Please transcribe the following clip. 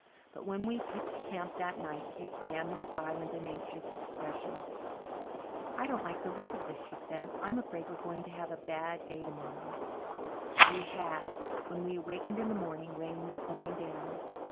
But when we pitched camp that night Kate scanned the sky with an anxious expression. "I don't like the look of it," she said. "I'm afraid we're going to have a bad day tomorrow." We had. When we awakened in the morning rain was pouring down.